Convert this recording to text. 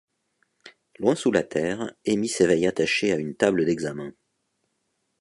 Loin sous la Terre, Amy s'éveille attachée à une table d'examen.